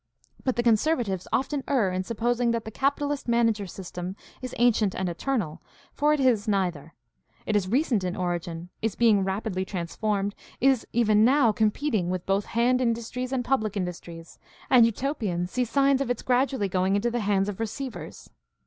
But the conservatives often err in supposing that the capitalist manager system is ancient and eternal, for it is neither; it is recent in origin, is being rapidly transformed, is even now competing with both hand industries and public industries, and Utopians see signs of its gradually going into the hands of receivers.